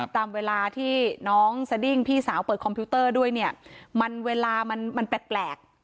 ตามเวลาที่น้องสดิ้งพี่สาวเปิดคอมพิวเตอร์ด้วยเนี่ยมันเวลามันมันแปลก